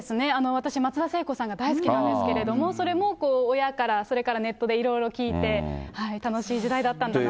私、松田聖子さんが大好きなんですけど、それも親から、それとネットでいろいろ聞いて、楽しい時代だったんだな